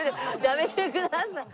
やめてください。